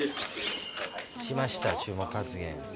しました、注目発言。